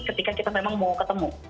ketika kita memang mau ketemu